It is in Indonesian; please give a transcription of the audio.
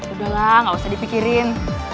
udahlah gak usah dipikirin